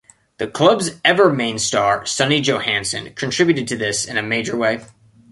The club's ever main star Sonny Johansson contributed to this in a major way.